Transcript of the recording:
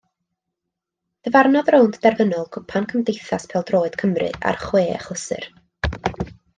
Dyfarnodd rownd derfynol Cwpan Cymdeithas Pêl Droed Cymru ar chwe achlysur.